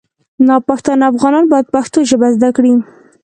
ناپښتانه افغانان باید پښتو ژبه زده کړي